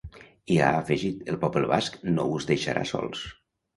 I ha afegit: El poble basc no us deixarà sols.